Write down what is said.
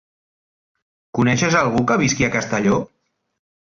Coneixes algú que visqui a Castelló?